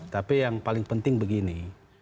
tapi yang paling penting begini